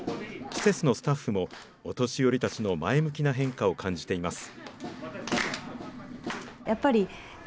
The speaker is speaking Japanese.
施設のスタッフも、お年寄りたちの前向きな変化を感じています。